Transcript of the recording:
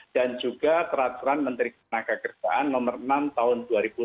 dan juga peraturan menteri ketenagakerjaan nomor enam tahun dua ribu enam belas